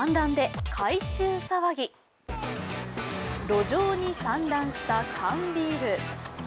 路上に散乱した缶ビール。